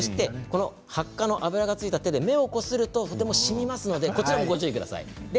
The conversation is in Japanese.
ハッカの油がついた手で目をこするとしみますのでこちらもご注意ください。